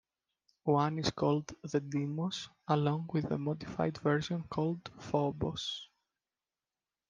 One is called the Deimos, along with the modified version called Phobos.